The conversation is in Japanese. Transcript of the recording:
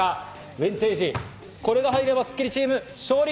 ウエンツ瑛士、これが入れば、スッキリチームが勝利。